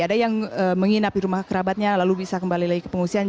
ada yang menginap di rumah kerabatnya lalu bisa kembali lagi ke pengungsian